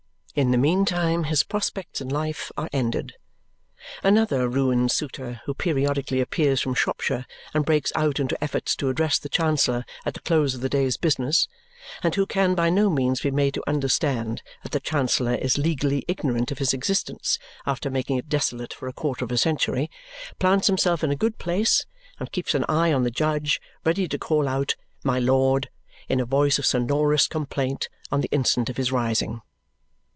In the meantime his prospects in life are ended. Another ruined suitor, who periodically appears from Shropshire and breaks out into efforts to address the Chancellor at the close of the day's business and who can by no means be made to understand that the Chancellor is legally ignorant of his existence after making it desolate for a quarter of a century, plants himself in a good place and keeps an eye on the judge, ready to call out "My Lord!" in a voice of sonorous complaint on the instant of his rising.